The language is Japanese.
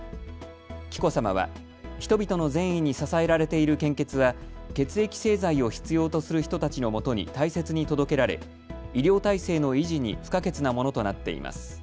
紀子さまは人々の善意に支えられている献血は血液製剤を必要とする人たちのもとに大切に届けられ医療体制の維持に不可欠なものとなっています。